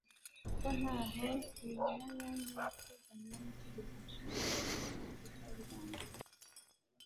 ko ntaho rinyuranya n’ibiteganywa n’Itegeko Nshinga rya Repuburika y’u Rwanda